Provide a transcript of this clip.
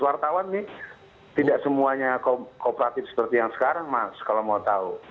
wartawan ini tidak semuanya kooperatif seperti yang sekarang mas kalau mau tahu